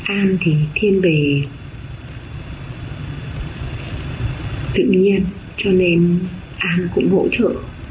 an thì thiên bề tự nhiên cho nên an cũng hỗ trợ